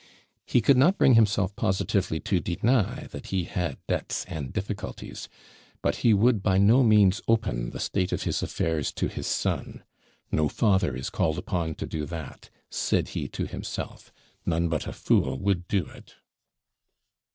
He could not bring himself positively to deny that he had debts and difficulties; but he would by no means open the state of his affairs to his son 'No father is called upon to do that,' said he to himself; 'none but a fool would do it.'